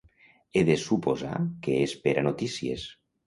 He de suposar que espera notícies.